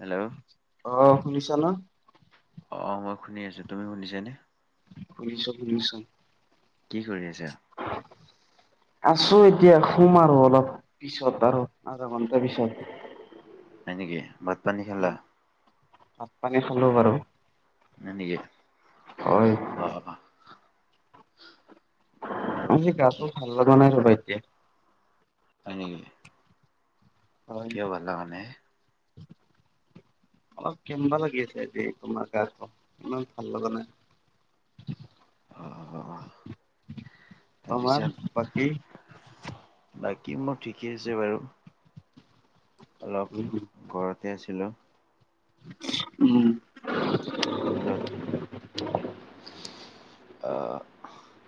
Hello. অ শুনিছ নহয়? অ মই শুনি আছো। তুমি শুনিছানে? শুনিছো শুনিছো। কি কৰি আছা? [unintelligible] আছো এতিয়া শুম আৰু অলপ পিছত আৰু আধা ঘন্টা পিছত। হয় নিকি? ভাত পানী উম, খালা ভাত-পানী খালো বাৰু। হয় নিকি হয় অ। অজি গাটো ভাল লগা নাই ৰ'বা এতিয়া। হয় নিকি? হয়। নাই অলপ কেনবা লাগি আছে আজি তোমাৰ গাটো ইমান ভাল লগা নাই। অঁ অঁ অঁ তোমাৰ তাৰপিছত বাকি বাকী মোৰ ঠিকেই আছে বাৰু। অলপ ঘৰতে আছিলো। উম। [unintelligible] অ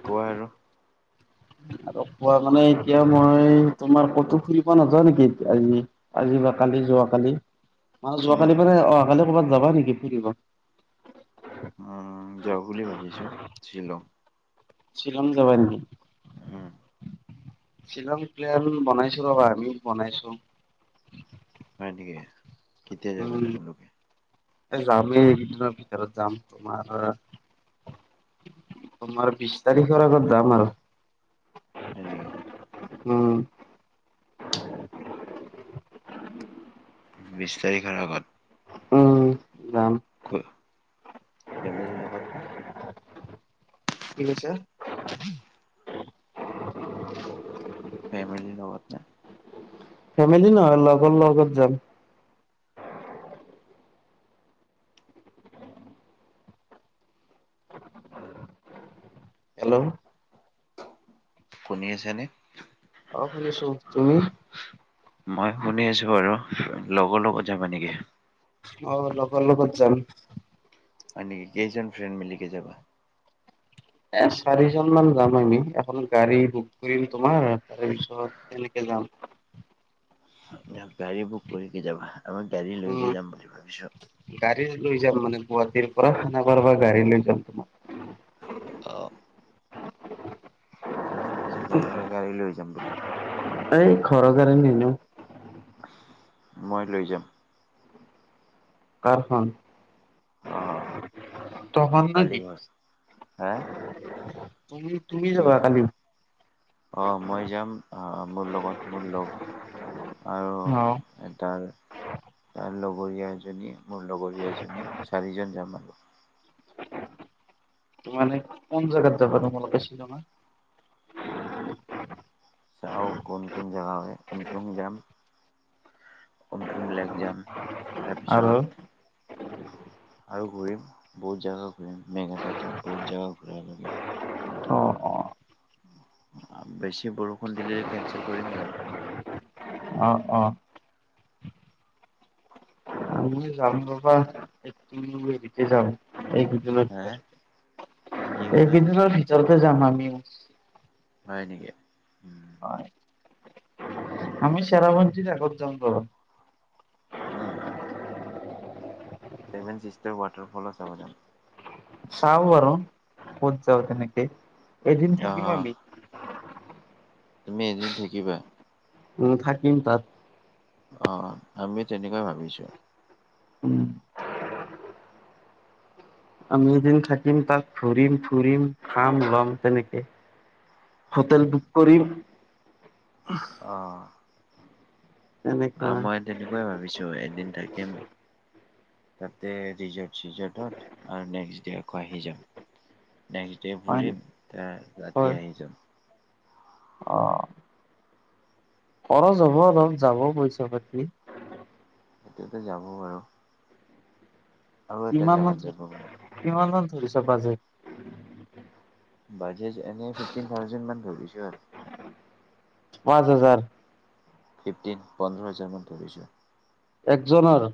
কোৱা আৰু। কোৱা মানে এতিয়া মই তোমাৰ ক'তো ফুৰিব নাযোৱা নেকি আজি আজি বা কালি যোৱা কালি? আ যোৱাকালি উম মানে অহা কালি ক'ৰবাত যাবা নিকি ফুৰিব? উম যাওঁ বুলি ভাবিছো শ্বিলং। শ্বিলং যাবা নেকি? উম শ্বিলং প্লেন বনাইছোঁ ৰবা, আমিও বনাইছোঁ। হয় নেকি। কেতিয়া যাবা তোমালোকে এ যামেই এইকেইদিনৰ ভিতৰত যাম তোমাৰ ধৰা তোমাৰ বিশ তাৰিখৰ আগত যাম আৰু হয় নেকি। উম। বিশ তাৰিখৰ আগত। উম, যাম। ক'ত ফেমিলিৰ লগত নে? কি কৈছা। [inaudible] ফেমিলি লগত নে। ফেমিলি নহয়, লগৰ লগত যাম। হেল্ল' শুনি আছানে? অ' শুনিছোঁ তুমি। মই শুনি আছোঁ বাৰু। লগৰ লগত যাবা নেকি? অ' লগৰ লগত যাম। মানেকি কেইজন ফ্ৰেইনণ্ড মিলিকে যাবা। এ চাৰিজন মান যাম আমি এখন গাড়ী বুক কৰিম তোমাৰ তাৰ পিছত। তেনেকে যাম। গাড়ী বুক কৰিকে যাবা, আমাৰ গাড়ী উম, লৈকে যাম বুলি ভাবিছোঁ। গাড়ী লৈ যাম, মানে গুৱাহাটীৰ পৰা খানা পাৰাৰ পৰা গাড়ী লৈ যাম তোমাৰ। অ' মই ভাবিছোঁ ঘৰৰে গাড়ী লৈ যাম বুলি। এই ঘৰৰ গাড়ী নিনিওঁ। মই লৈ যাম। কাৰখন। অ তহনত কালি নেকি। ঘৰ হা তুমি কি যাবা কালি অ' মই যাম আ মোৰ লগত মোৰ লগ আৰু অ, তাৰ তাৰ লগৰীয়া এজনী মোৰ লগৰীয়া এজনী চাৰিজন যাম আৰু মানে কোন জাগাত যাবা তোমালোকে শ্বিলংত। চাওঁ কোন কোন জেগা হয়, কোন কোন যাম? অন্তৰুম লেক যাম। আৰু তাৰপিছত আৰু ঘূৰিম বহুত জোগা ঘূৰিম মেঘালয়তো বহুত জাগা ঘূৰা লৈকে অ অ বেছি বৰষুণ দিলে কেনচেল কৰিম আৰু। অ'অ'। তুমি যাম তপা তুমি এবিতে যাম এই হে কি [unintelligible] ক'লা এইকেইদিনৰ ভিতৰতে যাম আমি। ঞহয় নেকি? উম আমি চেৰাপুঞ্জীৰ আগত যাম বাৰু। অহ' চেভেনচিষ্টাৰ ৱাটাৰ ফলো চাব যাম। চাওঁ বাৰু ক'ত যাওঁ তেনেকে, এদিন থাকিম আহ আমি। তুমি এদিন থাকিবা। উম, থাকিম তাত। অ' আমি তেনেকা ভাবিছোঁ। উম। আমি এদিন থাকিম, তাত ঘুৰিম, ফুৰিম, খাম, ল'ম, তেনেকে। হোটেল বুক কৰিম। অ'। আ, তেনেকুৱা মই তেনেকুৱাই ভাবিছোঁ, এদিন থাকিম। তাতে ৰিজৰ্ট চিজৰ্টত আৰু নেক্সট ডে আকৌ আহি যাম। নেক্সট তে হয় ফুৰিম তে হয় ৰাতি আহি যাম। অ'। খৰচ হ'ব অলপ, যাব পইচা পাতি। সেইটোৱেতো যাব বাৰু। আৰু এটা কিমান মান জেগাত যাব মন ধৰি, কিমান মান ধৰিছা বাজেট? বাজেট এনে ফিফটিন থাউজেণ্ড মান ধৰিছোঁ আৰু। পাঁচ হাজাৰ। ফিফটিন, পন্ধৰ হাজাৰ মান ধৰিছোঁ। একজনৰ?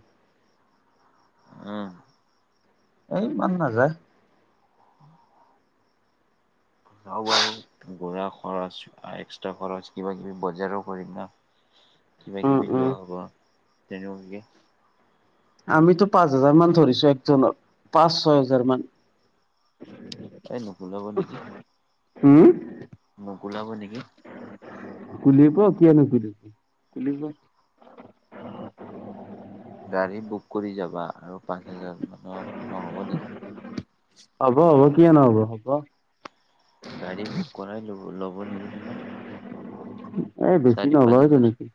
উম এই ইমান নাযায়। [inaudible] যাওঁ বাৰু গৰা খৰচ, এক্সট্ৰা খৰচ, কিবা কিবি বজাৰো কৰিম না। কিবা উম কিবি উম লোৱা হ'ব, তেনেকুৱাকে। আমিতো পাঁচ হাজাৰ মান ধৰিছোঁ একজনত, পাঁচ ছয় হাজাৰ মান। এই নুকুলাব নেকি। হু? মোক ওলাব নেকি। তেনেকুৱা কিয় লিখি দিছে, তেনেকুৱা গাড়ী বুক কৰি যাবা আৰু পাঁচ হাজাৰ মানত নহ'ব নেকি। হ'ব হ'ব কিয় নহ'ব, হ'ব। গাড়ী বুক কৰাই ল'ব, ল'ব নেকি তোমাৰ। এই বেছি চাৰি পাঁচ নলয় হাজাৰ তেনেকি।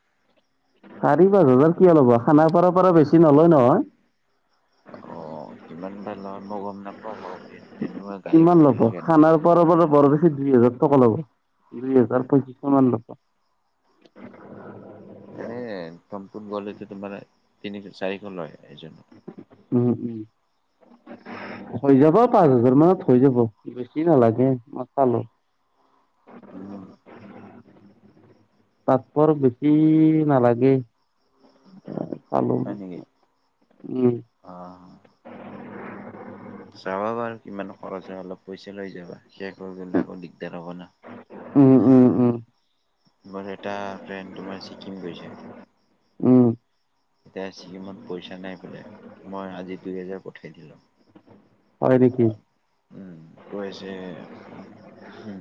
চাৰি পাঁচ হাজাৰ কিয় ল'ব, খানাপাৰাৰপৰা বেছি নলয় নহয়। অ' কিমান বা লয় মই গম নাপাওঁ বাৰু, তেনেকুৱা গাড়ী বুক কৰিছোঁ এনে। বাৰ বাৰ বৰ বেছি দুই হাজাৰ টকা ল'ব, দুই হাজাৰ পঁচিশ মান ল'ব। এনে টমটম গলেতো তোমাৰ তিনি, চাৰিশ লয় এজন উম, উ। হৈ যাব, পাঁচ হাজাৰ মানত হৈ যাব, বেছি নালাগে, মচালো উম। তাতপৰ বেছি নালাগে। পালোঁ হয় নেকি? উ। অ'। চাবা বাৰু কিমান খৰচ হয় অলপ পইচা লৈ যাবা, শেষ হৈ গলে আকৌ দিগদাৰ হ'ব না। উম, উম, উম। মোৰ এটা ফ্ৰেণ্ড তোমাৰ ছিকিম গৈছে। উম। এতিয়া ছিকিমত পইচা নাই বোলে, মই আজি দুই হেজাৰ পঠাই দিলোঁ। হয় নেকি? উম, কৈ আছে উ উম,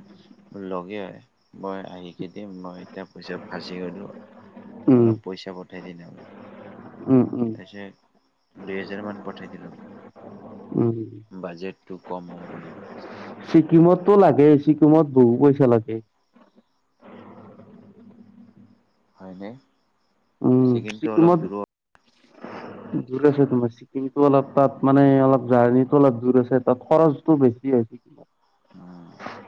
লগে হয় মই আহিকে দিম, মই এতিয়া পিছত ফাঁচি গ'লোঁ, উম অলপ পইচা পঠাই দিল মানে। উম, উ। পিছে দুই হেজাৰ মান পঠাই দিলোঁ। উম বাজেটটো কম হ'ল বুলি কৈ আছিলে। ছিকিমতটো লাগে ছিকিমত বহু পইচা লাগে। হয়নি? উম চিকিমত দূৰ আছে তোমাৰ। কিন্তু অলপ তাত মানে অলপ জাৰ্ণিটো অলপ দূৰ আছে তাত খৰচটো বেছি হৈছে। [unintelligible]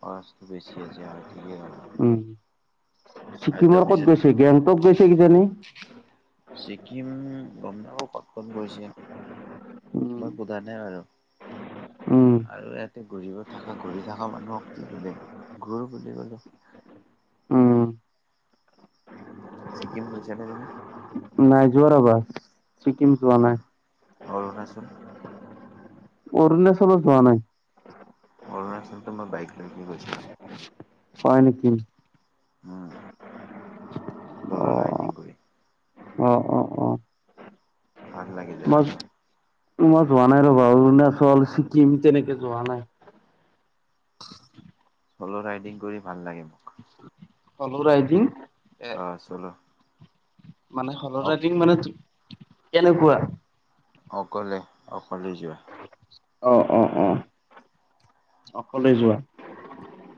খৰচটো বছি আছে হয় ঠিকে ক'লা। উম আৰু ছিকিমৰ ক'ত তাৰপিছত গৈছে গেংটক গৈছে কিজানি? ছিকিম গম নাপাওঁ ক'ত ক'ত গৈছে। উম মই সোধা নাই বাৰু। উম আৰু ইয়াতে ঘূৰিব থকা ঘূৰি থকা মানুহক কি সুধিম ঘোৰো বুলি ক'লে উম ছিকিম গৈছা নে তুমি? নাই যোৱা ৰ'বা ছিকিম যোৱা উম, নাই। অৰুণাচল? অৰুণাচলত যোৱা নাই। অৰুণাচলটো মই বাইক লৈকে গৈছিলো। হয় নিকি? উম চ'ল অ ৰাইডিং কৰি। অ অ অ। ভাল লাগে মই জেগাটো। মই যোৱা নাই ৰ'বা অৰুণাচল, ছিকিম তেনেকে যোৱা নাই। চ'ল ৰাইডিং কৰি ভাল লাগে মোৰ। চ'ল ৰাইডিং? এ অ চ'ল। মানে চ'ল অ ৰাইডিং মানে কেনেকুৱা? অকলে অকলে যোৱা। অ অ অ অকলে যোৱা?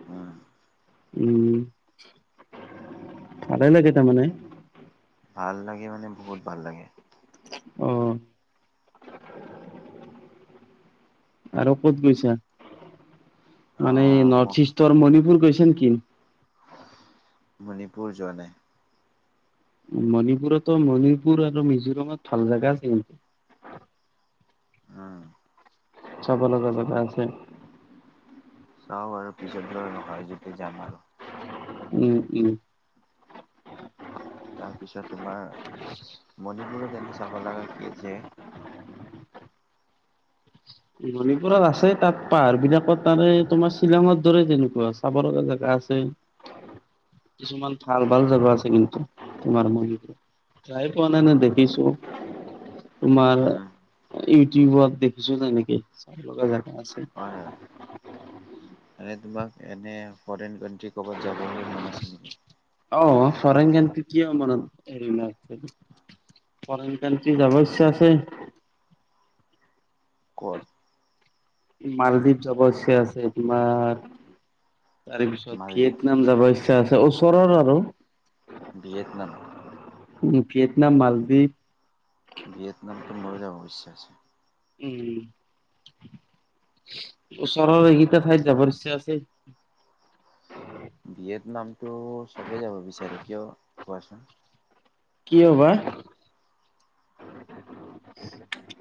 হয়। উম ভালেই লাগে তাৰমানে। ভাল লাগে মানে বহুত ভাল লাগে। অ। আৰু ক'ত গৈছা মানে আহ মই নৰ্থ ইষ্টৰ মণিপুৰ গৈছা নি? মণিপুৰ যোৱা নাই। মণিপুৰতো মণিপুৰ আৰু মিজোৰামত ভাল জাগা আছে কিন্তু। উম। চব লগা জেগা আছে। চাওঁ বাৰু পিছত যোৱা হয় যদি যাম আৰু। উম উম। তাৰপিছত তোমাৰ মণিপুৰত এনে চাব লগা কি আছে? মণিপুৰত আছে তাত পাহাৰবিলাকত তাৰে তোমাৰ শ্বিলঙৰ দৰে তেনেকুৱা আছে। চাব লগা জেগা আছে। কিছুমান ভাল ভাল জোগা আছে কিন্তু তোমাৰ মণিপুৰত যাই পোৱা নাই নে হয় দেখিছো। নেকি তোমাৰ উম ইউটিউবত দেখিছো তেনেকে চাব লগা জেগা। আছে। হয় হয়। মানে তোমাৰ এনে ফৰেইন কাণ্ট্ৰি ক'ৰবাত যাবলে মন আছে নিকি? অ ফৰেইন কান্ট্ৰী কিয় মনত এইবিলাক হেৰি ফৰেইন কাণ্ট্ৰি যাব ইচ্ছা আছে। ক'ত? মালদ্বীপ যাব ইচ্ছা আছে তোমাৰ তাৰে পিছত মালদ্বীপ ভিয়েটনাম নাম যাব ইচ্ছা আছে ওচৰৰ আৰু। ভিয়েটনাম? ভিয়েটনাম মালদ্বীপ। ভিয়েতনাম তো মোৰো যাব অ', বিশ্যা আছে। উম, ওচৰৰ এইকেইটা ঠাইত যাবৰ ইচ্ছা আছে। ভিয়েট নামটো চবেই যাব বিচাৰে কিয় কোৱাচোন? কিয় বা?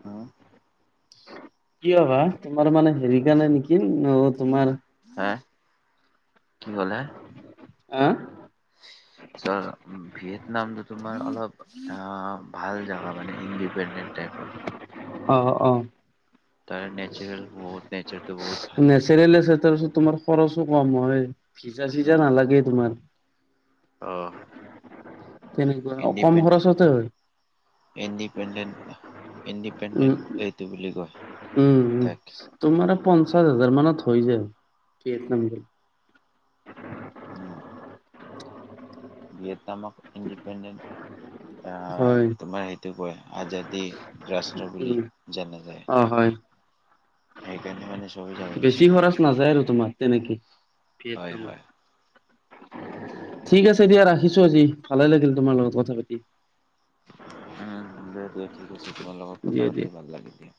হা কিয় বা তোমাৰ মানে হেৰি কাৰণে নেকি ন তোমাৰ হা কি কলা? [inaudible] ছ' ভিয়েটনামটো তোমাৰ অলপ ভাল জেগা মানে ইণ্ডিপেণ্ডেণ্ট টাইপৰ। অ', অ'। তাৰ নেচাৰেল বহুত নেচাৰটো বহুত ভাল। [unintelligible] তাৰপিছত তোমাৰ খৰচো কম হয় ভিজা চিজা উম নালাগে তোমাৰ। অ তেনেকুৱা কম ইণ্ডিপেণ্ড খৰচতে হয়। ইণ্ডিপেণ্ডেণ্ট উম ইণ্ডিপেণ্ডেণ্ট এইটো বুলি কয় উম উম তাক। তোমাৰ পঞ্চাছ হাজাৰ মান থৈ যায় ভিয়েটনাম। উম। ভিয়েটনামক ইণ্ডিপেণ্ডেণ আ হয় তোমাৰ সেইটো কয় আজাদী ৰাষ্ট্ৰ বুলি উম জানা যায়। অ', হয়। সেইকাৰণে মানে চবেই যাব বেছি বিচাৰে খৰচ নাযায় আৰু তোমাৰ তেনেকে তোমাৰ হয় তেনেকে। হয় ঠিক আছে দিয়া, ৰাখিছোঁ আজি ভালে লাগিল তোমাৰ লগত কথা পাতি। দিয়া দিয়া ঠিক আছে তোমাৰ লগত দিয়া কথা দিয়া পাতি ভাল লাগি দিয়া।